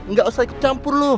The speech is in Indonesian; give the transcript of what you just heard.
gak usah ikut campur lo